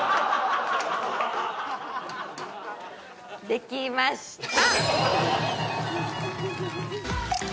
できました